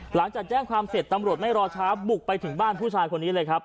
หลังจากแจ้งความเสร็จตำรวจไม่รอช้าบุกไปถึงบ้านผู้ชายคนนี้เลยครับ